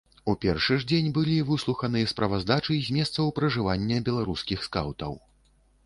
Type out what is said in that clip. У першы ж дзень былі выслуханы справаздачы з месцаў пражывання беларускіх скаўтаў.